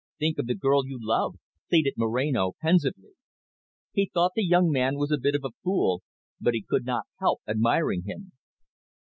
"Think of the girl you love," pleaded Moreno pensively. He thought the young man was a bit of a fool, but he could not help admiring him.